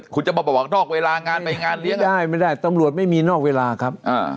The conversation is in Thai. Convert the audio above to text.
คุณจะมาประวังนอกเวลางานไม่ได้ไม่ได้ตำรวจไม่มีนอกเวลาครับ